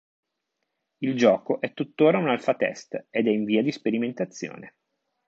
Il gioco è tuttora un alpha-test ed è in via di sperimentazione.